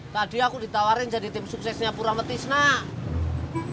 tadi aku ditawarin jadi tim suksesnya purametis nak